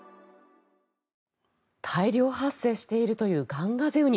大量発生しているというガンガゼウニ。